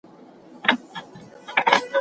د روغتیا معیارونه رعایت شي.